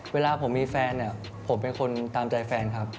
เวลาผมมีแฟนเนี่ยผมเป็นคนตามใจแฟนครับ